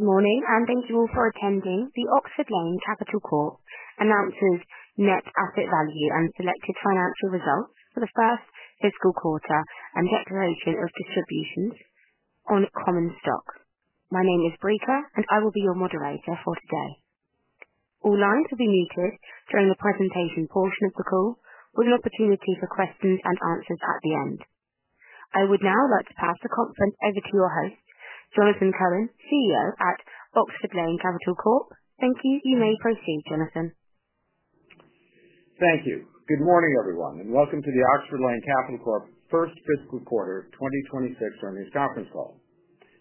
Morning and thank you all for attending the Oxford Lane Capital Corp announcement net asset value and selected financial results for the first fiscal quarter and declaration of distributions on common stocks. My name is Brisa and I will be your moderator for today. All lines will be muted during the presentation portion of the call with an opportunity for questions and answers at the end. I would now like to pass the conference over to your host, Jonathan Cohen, CEO at Oxford Lane Capital Corp. Thank you. You may proceed, Jonathan. Thank you. Good morning, everyone, and welcome to Oxford Lane Capital Corp's first fiscal quarter of 2026 earnings conference call.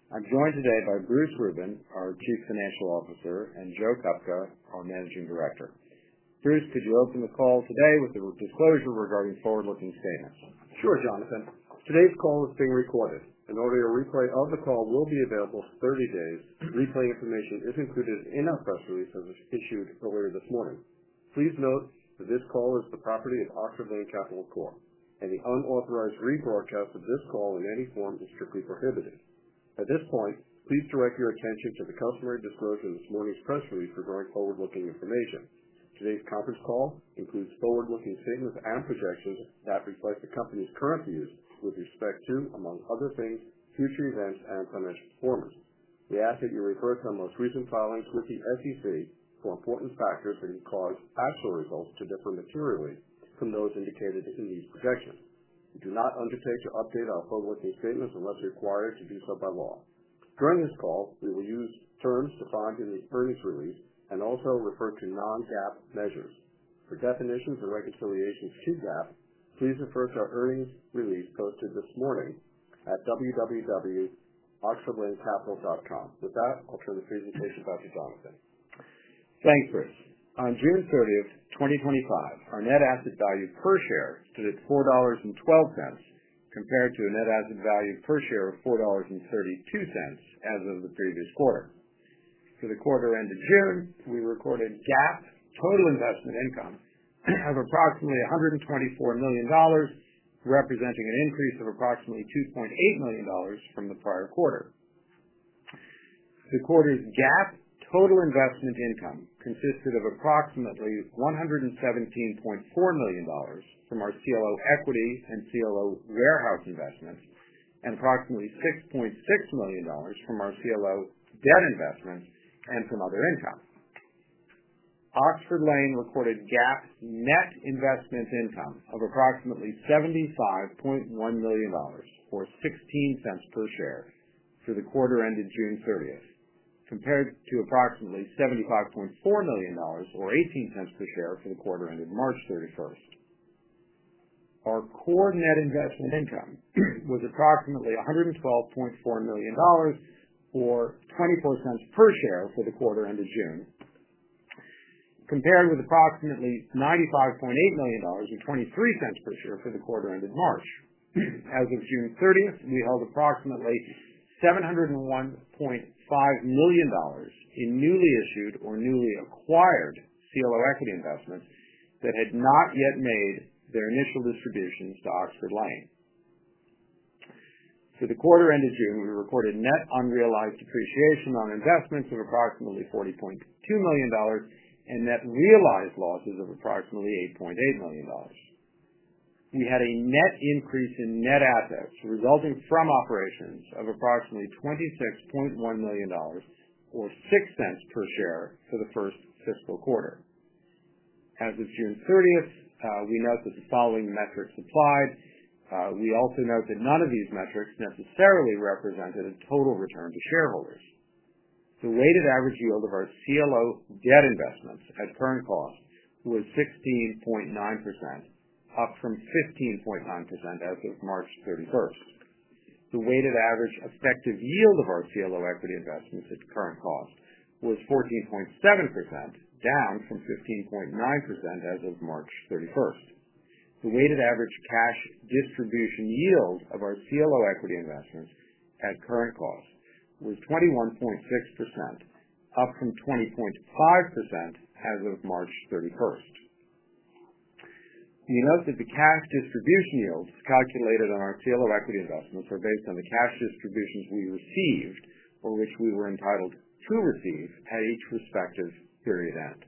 I'm joined today by Bruce Rubin, our Chief Financial Officer, and Joe Kupka, our Managing Director. Bruce, could you open the call today with a disclosure regarding forward-looking statements? Sure, Jonathan. Today's call is being recorded. An audio replay of the call will be available for 30 days. Replay information is included in our press release that was issued earlier this morning. Please note that this call is the property of Oxford Lane Capital Corp, and the unauthorized reproduction of this call in any form is strictly prohibited. At this point, please direct your attention to the customary disclosure of this morning's press release regarding forward-looking information. Today's conference call includes forward-looking statements and projections that reflect the company's current views with respect to, among other things, future events and financial performance. The asset you're referring to in the most recent filing puts the SEC for important factors that can cause taxable results to differ materially from those indicated in the projection. We do not undertake to update our forward-looking statements unless required to do so by law. During this call, we will use terms defined in the earnings release and also refer to Non-GAAP measures. For definitions of reconciliation to GAAP, please refer to our earnings release posted this morning at www.oxfordlanecapital.com. With that, I'll turn the stage and place it back to Jonathan. Thanks, Bruce. On June 30th, 2025, our net asset value per share stood at $4.12, compared to a net asset value per share of $4.32 as of the previous quarter. For the quarter ended here, we recorded GAAP total investment income of approximately $124 million, representing an increase of approximately $2.8 million from the prior quarter. The quarter's GAAP total investment income consisted of approximately $117.4 million from our CLO equity investments and CLO warehouse investments, and approximately $6.6 million from our CLO debt investments and from other income. Oxford Lane recorded GAAP net investment income of approximately $75.1 million, or $0.16 per share, for the quarter ended June 30th, compared to approximately $75.4 million, or $0.18 per share, for the quarter ended March 31st. Our core net investment income was approximately $112.4 million, or $0.24 per share, for the quarter ended June, compared with approximately $95.8 million and $0.23 per share for the quarter ended March. As of June 30th, we held approximately $701.5 million in newly issued or newly acquired CLO equity investments that had not yet made their initial distributions to Oxford Lane. For the quarter ended June, we recorded net unrealized depreciation on investments of approximately $40.2 million and net realized losses of approximately $8.8 million. We had a net increase in net assets resulting from operations of approximately $26.1 million, or $0.06 per share, for the first fiscal quarter. As of June 30th, we note that the following metrics applied. We also note that none of these metrics necessarily represented a total return to shareholders. The weighted average yield of our CLO debt investments at current cost was 16.9%, up from 15.9% as of March 31st. The weighted average effective yield of our CLO equity investments at current cost was 14.7%, down from 15.9% as of March 31st. The weighted average cash distribution yield of our CLO equity investments at current cost was 21.6%, up from 20.5% as of March 31st. You note that the cash distribution yields calculated on our CLO equity investments are based on the cash distributions we received or which we were entitled to receive at each respective period end.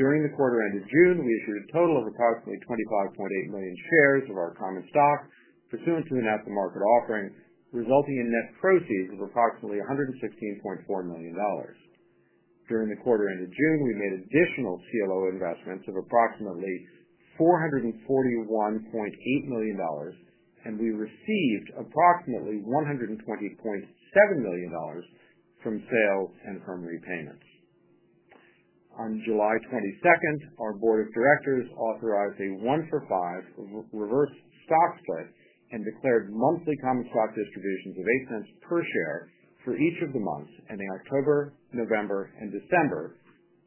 During the quarter ended June, we issued a total of approximately $25.8 million shares of our common stock, pursuant to the net-to-market offering, resulting in net proceeds of approximately $116.4 million. During the quarter ended June, we made additional CLO investments of approximately $441.8 million, and we received approximately $120.7 million from sales and from repayments. On July 22nd, our Board of Directors authorized a one-for-five reverse stock split and declared monthly common stock distributions of $0.08 per share for each of the months ending October, November, and December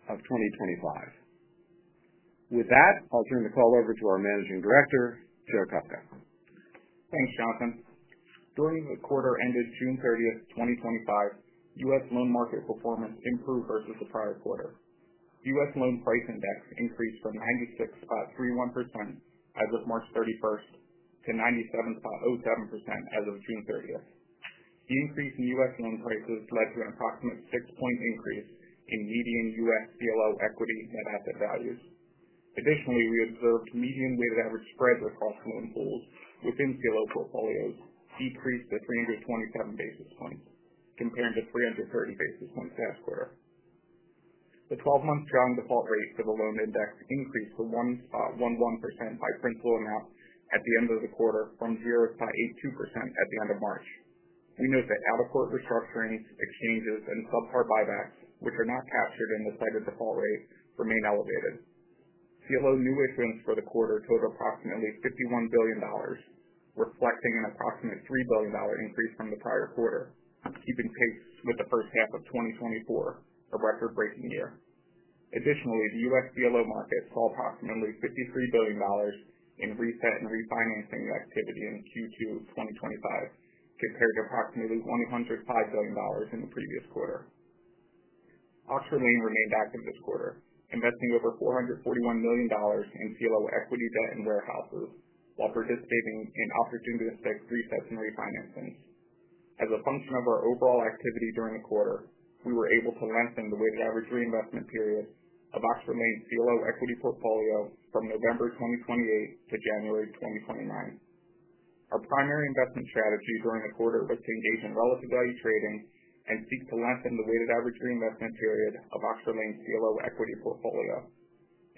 of 2025. With that, I'll turn the call over to our Managing Director, Joe Kupka. Thanks, Jonathan. During the quarter ended June 30th, 2025, U.S. loan market performance improved versus the prior quarter. U.S. loan price index increased from 96.31% as of March 31st to 97.07% as of June 30th. The increase in U.S. loan prices led to an approximate six-point increase in median U.S. CLO equity net asset values. Additionally, we observed median weighted average spread defaults loan pools within CLO portfolios decreased by 327 basis points, compared to 330 basis points last quarter. The 12-month drawing default rates for the loan index increased to 1.11% by principal amount at the end of the quarter, from 0.82% at the end of March. We note that out-of-quarter structurings, exchanges, and club car buybacks, which are not captured in the cited default rates, remain elevated. CLO new issuance for the quarter totaled approximately $51 billion, reflecting an approximate $3 billion increase from the prior quarter, keeping pace with the first half of 2024, a record-breaking year. Additionally, the U.S. CLO market saw approximately $53 billion in reset and refinancing activity in Q2 of 2025, compared to approximately $105 billion in the previous quarter. Oxford Lane remained active this quarter, investing over $441 million in CLO equity, debt, and warehouses, while participating in opportunistic resets and refinancings. As a function of our overall activity during the quarter, we were able to lengthen the weighted average reinvestment period of Oxford Lane's CLO equity portfolio from November 2028 toJanuary 2029. Our primary investment strategy during the quarter was to engage in relative value trading and seek to lengthen the weighted average reinvestment period of Oxford Lane's CLO equity portfolio.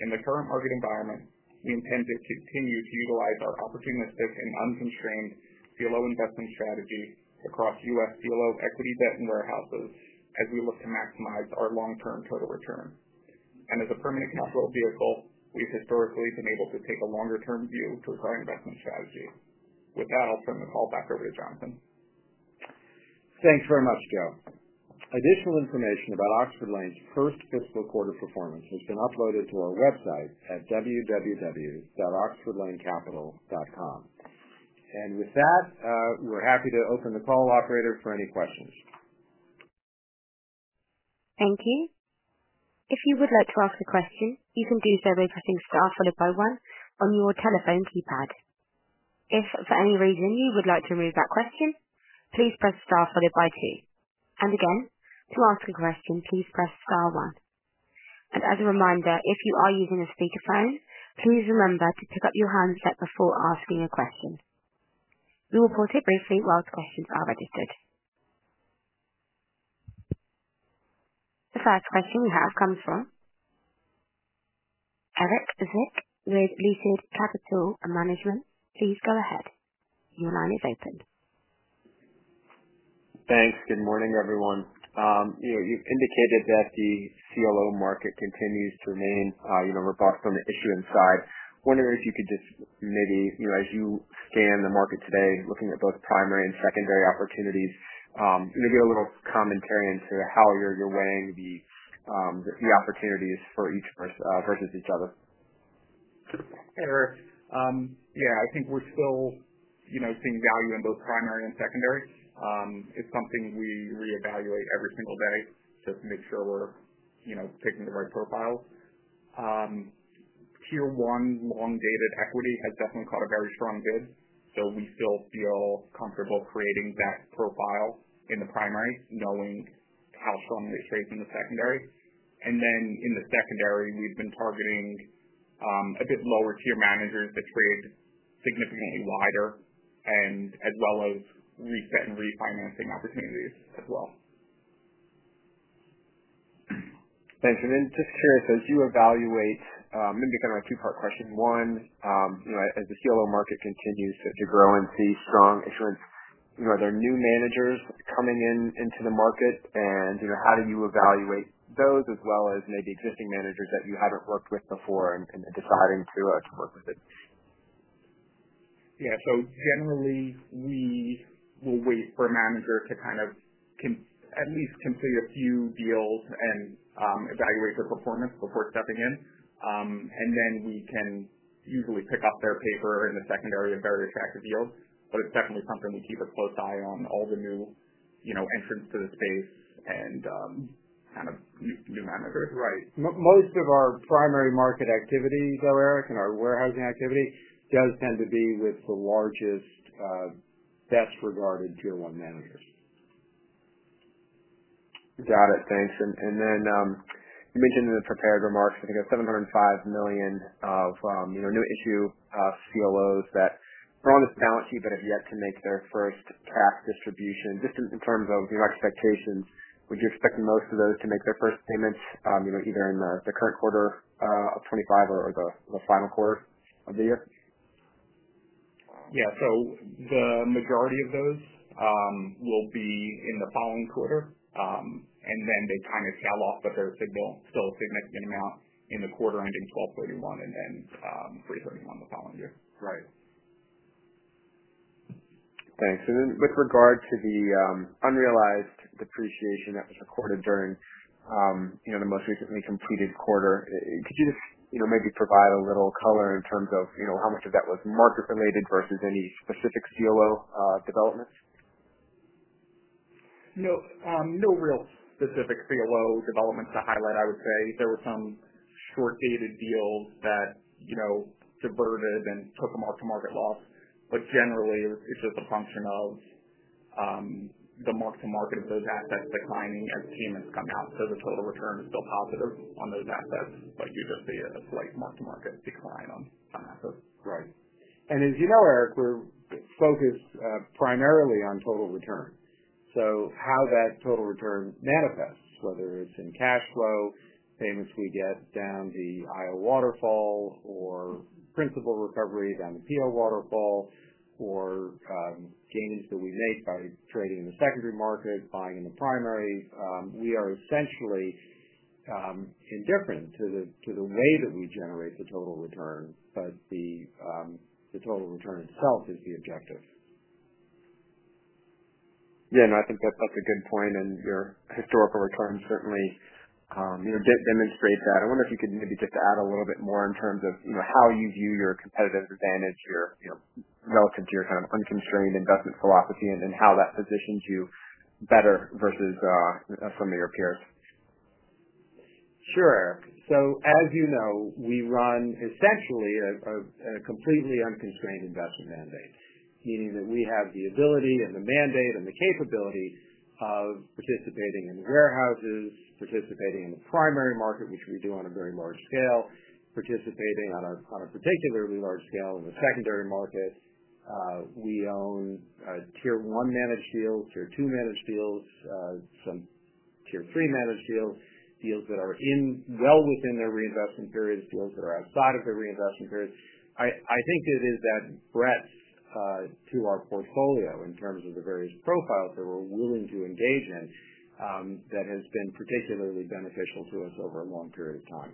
In the current market environment, we intend to continue to utilize our opportunistic and unconstrained CLO investment strategy across U.S. CLO equity, debt, and warehouses as we look to maximize our long-term total return. As a permanent capital vehicle, we've historically been able to take a longer-term view to our current investment strategy. With that, I'll turn the call back over to Jonathan. Thanks very much, Joe. Additional information about Oxford Lane's first fiscal quarter performance has been uploaded to our website at www.oxfordlanecapital.com. We are happy to open the call operator for any questions. Thank you. If you would like to ask a question, you can do so by pressing star followed by one on your telephone keypad. If for any reason you would like to remove that question, please press star followed by two. To ask a question, please press star one. As a reminder, if you are using a speakerphone, please remember to pick up your handset before asking a question. We will pause briefly whilst questions are registered. The first question we have comes from Eric Spitzer with Leafwood Capital and Management. Please go ahead. Your line is open. Thanks. Good morning, everyone. You've indicated that the CLO market continues to remain robust on the issuing side. Wondering if you could just, as you scan the market today, looking at both primary and secondary opportunities, maybe a little commentary into how you're weighing the opportunities for each versus each other. Sure. I think we're still seeing value in both primary and secondary. It's something we reevaluate every single day to make sure we're picking the right profile. Tier one long-dated equity has definitely caught a very strong bid, so we still feel comfortable creating that profile in the primaries, knowing how strong it is facing the secondary. In the secondary, we've been targeting a bit lower-tier managers that trade significantly wider, as well as reset and refinancing opportunities as well. Thanks. Just curious, as you evaluate, maybe kind of a two-part question. One, as the CLO market continues to grow and see strong issuance, are there new managers coming into the market? How do you evaluate those as well as maybe existing managers that you haven't worked with before and deciding to work with them? Yeah. Generally, we will wait for a manager to at least complete a few deals and evaluate their performance before stepping in. We can usually pick up their paper in the secondary at various factors yield. It's definitely something we keep a close eye on, all the new entrants to the space and new managers. Right. Most of our primary market activity, Eric, and our warehousing activity does tend to be with the largest, best-regarded tier one managers. Got it. Thanks. You mentioned in the prepared remarks, I think it's $705 million of new issue CLOs that are on the balance sheet that have yet to make their first cash distribution. Just in terms of your expectation, would you expect most of those to make their first payments either in the current quarter of 2025 or the final quarter of the year? Yeah. The majority of those will be in the following quarter, and they kind of sell off the first signal, still a significant amount in the quarter ending 12/31 and ends 3/31 the following year. Right. Thanks. With regard to the unrealized depreciation that was recorded during the most recently completed quarter, could you just maybe provide a little color in terms of how much of that was market-related versus any specific CLO developments? No, no real specific CLO developments to highlight, I would say. There were some short-dated deals that diverted and took a mark-to-market loss. Generally, it's just a function of the mark-to-market of those assets declining as payments come out. The total return is still positive on those assets, but you just see a slight mark-to-market decline on assets. Right. As you know, Eric, we're focused primarily on total return. How that total return manifests, whether it's in cash flow, payments we get down the IO waterfall, or principal recovery down the PO waterfall, or gains that we make by trading in the secondary markets, buying in the primary, we are essentially indifferent to the way that we generate the total return, but the total return itself is the objective. Yeah, I think that's a good point. Your historical returns certainly demonstrate that. I wonder if you could maybe just add a little bit more in terms of how you view your competitive advantage, relative to your kind of unconstrained investment philosophy, and how that positions you better versus some of your peers. Sure. As you know, we run essentially a completely unconstrained investment mandate, meaning that we have the ability, the mandate, and the capability of participating in warehouses, participating in the primary market, which we do on a very large scale, and participating on a particularly large scale in the secondary market. We own a tier one managed deal, tier two managed deals, some tier three managed deals, deals that are well within their reinvestment periods, and deals that are outside of their reinvestment periods. I think it is that breadth to our portfolio in terms of the various profiles that we're willing to engage in that has been particularly beneficial to us over a long period of time.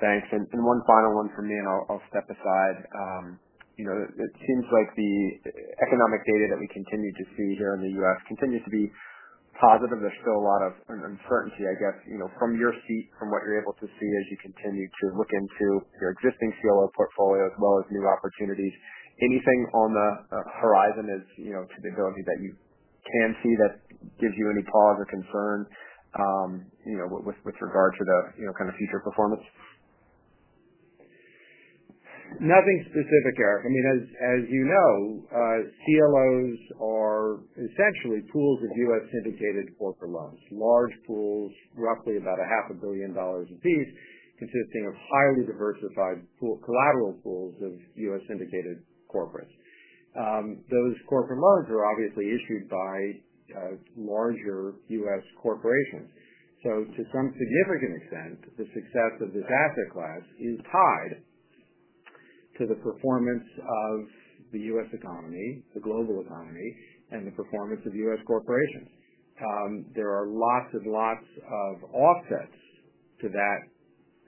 Thanks. One final one from me, and I'll step aside. It seems like the economic data that we continue to see here in the U.S. continues to be positive. There's still a lot of uncertainty. From your seat, from what you're able to see as you continue to look into your existing CLO portfolio as well as new opportunities, is there anything on the horizon as to the ability that you can see that gives you any pause or concern with regard to the kind of future performance? Nothing specific, Eric. I mean, as you know, CLOs are essentially pools of U.S. syndicated corporate loans, large pools, roughly about $0.5 billion a piece, consisting of highly diversified collateral pools of U.S. syndicated corporates. Those corporate loans are obviously issued by a larger U.S. corporation. To some significant extent, the success of this asset class is tied to the performance of the U.S. economy, the global economy, and the performance of U.S. corporations. There are lots and lots of offsets to that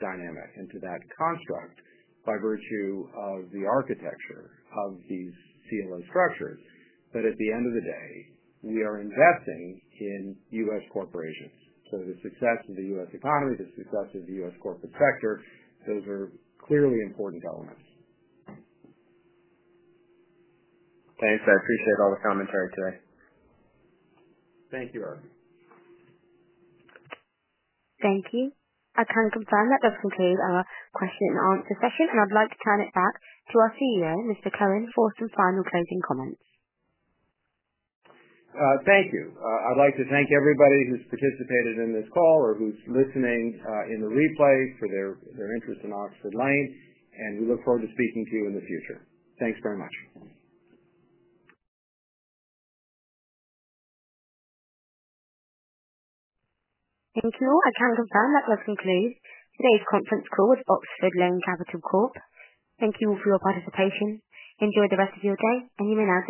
dynamic and to that construct by virtue of the architecture of these CLO structures. At the end of the day, we are investing in U.S. corporations. The success of the U.S. economy, the success of the U.S. corporate sector, those are clearly important elements. Thanks. I appreciate all the commentary today. Thank you, Eric. Thank you. I can confirm that that's the case on our question and answer session. I'd like to turn it back to our CEO, Mr. Cohen, for some final closing comments. Thank you. I'd like to thank everybody who's participated in this call or who's listening in the replay for their interest in Oxford Lane. We look forward to speaking to you in the future. Thanks very much. With that, I can confirm that we're concluding today's conference call with Oxford Lane Capital Corp. Thank you all for your participation. Enjoy the rest of your day, and you may now.